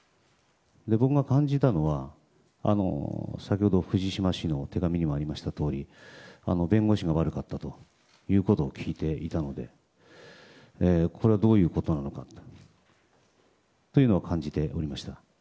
僕が感じたのは先ほど藤島氏の手紙にもありましたとおり弁護士が悪かったということを聞いていたのでこれはどういうことなのかというのを感じておりました。